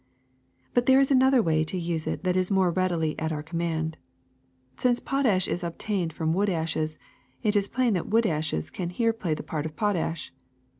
But there is another way to use it that is more readily at our command. Since potash is obtained from wood ashes it is plain that wood ashes can here play the part of potash.